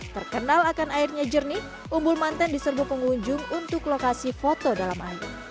terkenal akan airnya jernih umbul mantan diserbu pengunjung untuk lokasi foto dalam air